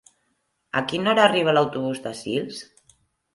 A quina hora arriba l'autobús de Sils?